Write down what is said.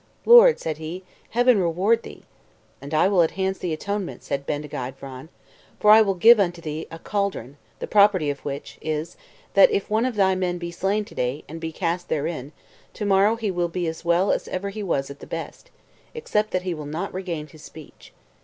"Lord," said he, "Heaven reward thee!" "And I will enhance the atonement," said Bendigeid Vran, "for I will give unto thee a caldron, the property of which is, that if one of thy men be slain to day, and be cast therein, to morrow he will be as well as ever he was at the best, except that he will not regain his speech."